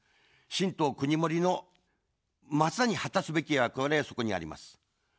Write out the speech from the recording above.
新党くにもりの、まさに果たすべき役割は、そこにあります。